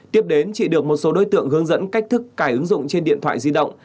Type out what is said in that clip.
tiếp đến chị được một số đối tượng hướng dẫn cách thức cài ứng dụng trên điện thoại di động